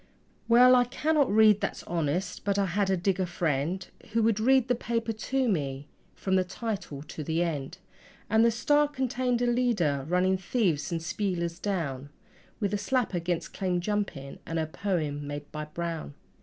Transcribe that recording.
Well, I cannot read, that's honest, but I had a digger friend Who would read the paper to me from the title to the end; And the STAR contained a leader running thieves and spielers down, With a slap against claim jumping, and a poem made by Brown.